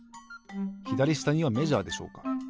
ひだりしたにはメジャーでしょうか？